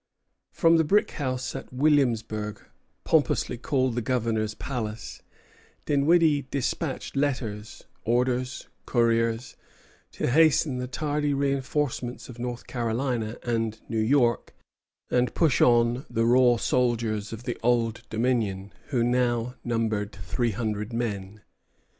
From the brick house at Williamsburg pompously called the Governor's Palace, Dinwiddie despatched letters, orders, couriers, to hasten the tardy reinforcements of North Carolina and New York, and push on the raw soldiers of the Old Dominion, who now numbered three hundred men.